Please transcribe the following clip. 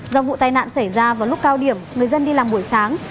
do vụ tai nạn xảy ra vào lúc cao điểm người dân đi làm buổi sáng